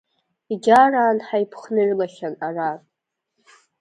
Егьараан ҳаиԥхныҩлахьан ара!